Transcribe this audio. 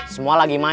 semua lagi main